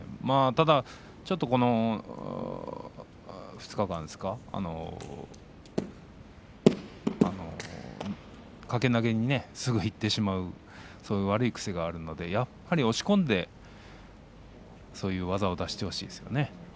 ちょっとこの２日間ですか掛け投げにすぐいってしまうそういう悪い癖があるのでやっぱり押し込んでそういう技を出してほしいですね。